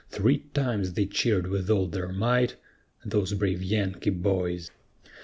Three times they cheered with all their might, Those brave Yankee boys.